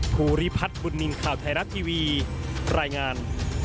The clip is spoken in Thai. ภูริพัฒน์บุญนินทร์ข่าวไทยรัฐทีวีรายงาน